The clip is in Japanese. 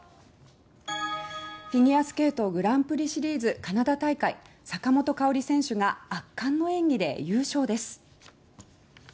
フィギュアスケートグランプリシリーズカナダ大会坂本花織選手が圧巻の演技で優勝です。